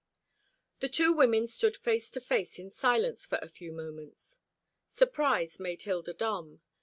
The two women stood face to face in silence for a few moments. Surprise made Hilda dumb.